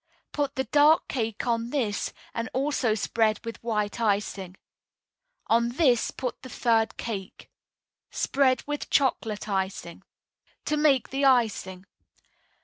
Put the dark cake on this, and also spread with white icing. On this put the third cake. Spread with chocolate icing. TO MAKE THE ICING.